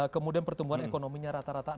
kemudian pertumbuhan ekonominya rata rata